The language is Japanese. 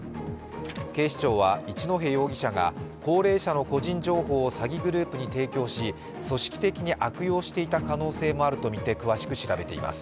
警視庁は一戸容疑者が高齢者の個人情報を詐欺グループに提供し組織的に悪用していた可能性もあるとみて詳しく調べています。